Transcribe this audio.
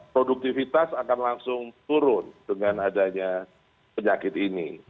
produktivitas akan langsung turun dengan adanya penyakit ini